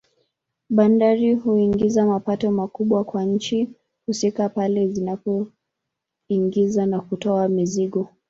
Bandari huingiza mapato makubwa kwa nchi husika pale zinapoingiza na kutoa mizigo